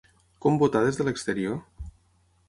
Com votar des de l’exterior?